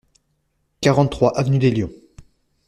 quarante-trois avenue des Lions